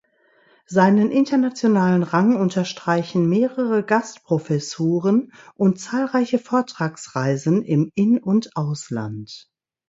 Seinen internationalen Rang unterstreichen mehrere Gastprofessuren und zahlreiche Vortragsreisen im In- und Ausland.